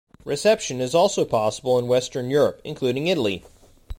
Reception is also possible in Western Europe, including Italy.